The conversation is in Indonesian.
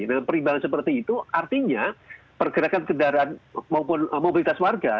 dengan perimbangan seperti itu artinya pergerakan kendaraan maupun mobilitas warga